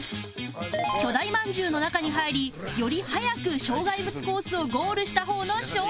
巨大まんじゅうの中に入りより早く障害物コースをゴールした方の勝利です